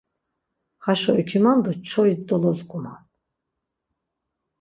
Haşo ikuman do çoi dolozguman.